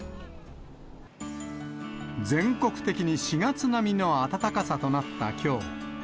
全国的に４月並みの暖かさとなったきょう。